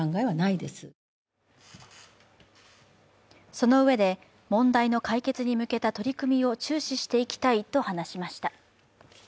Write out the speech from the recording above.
そのうえで、問題の解決に向けた取り組みを注視していきたいと話しました。